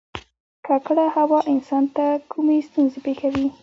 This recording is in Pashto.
ککړه هوا انسان ته کومې ستونزې پیدا کوي